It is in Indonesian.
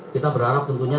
kita berharap tentunya